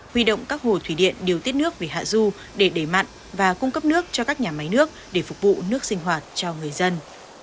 huy động các hồ thủy điện điều tiết nước về hạ du để đẩy mặn và cung cấp nước cho các nhà máy nước để phục vụ nước sinh hoạt cho người dân